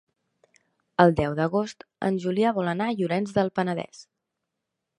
El deu d'agost en Julià vol anar a Llorenç del Penedès.